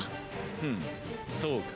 ふむそうか。